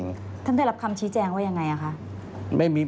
ท่านได้รับคำชี้แจงว่ายังไงอะคะ